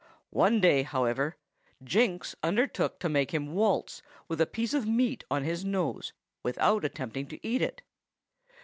One day, however, Jinks undertook to make him waltz with a piece of meat on his nose, without attempting to eat it.